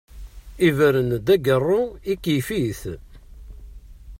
Ibren-d agaru, ikyef-it.